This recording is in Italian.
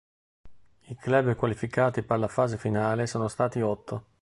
I club qualificati per la fase finale sono stati otto.